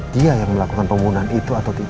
dia yang melakukan pembunuhan itu atau tidak